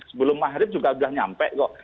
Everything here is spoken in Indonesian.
sebelum maharib juga udah nyampe kok